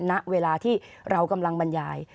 ณเวลาที่เรากำลังบรรยาย